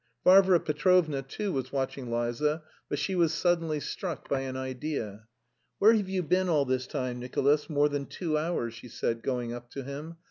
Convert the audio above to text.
Varvara Petrovna, too, was watching Liza, but she was suddenly struck by an idea. "Where have you been all this time, Nicolas, more than two hours?" she said, going up to him.